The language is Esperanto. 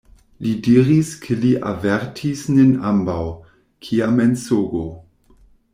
Li diris, ke li avertis nin ambaŭ: kia mensogo!